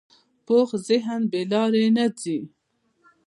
پوخ ذهن بې لارې نه ځي